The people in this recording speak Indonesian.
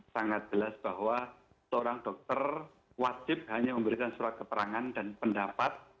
sangat jelas bahwa seorang dokter wajib hanya memberikan surat keterangan dan pendapat